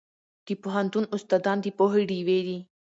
د پوهنتون استادان د پوهې ډیوې دي.